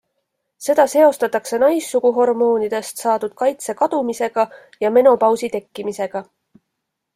Seda seostatakse naissuguhormoonidest saadud kaitse kadumisega ja menopausi tekkimisega.